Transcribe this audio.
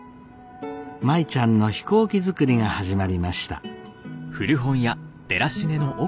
舞ちゃんの飛行機作りが始まりました。